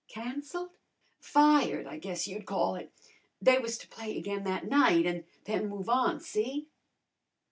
"Cancelled?" "Fired, I guess you'd call it. They was to play again that night an' then move on, see?"